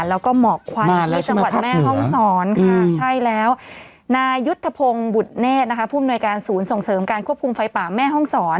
ลดลักการขอบคุณ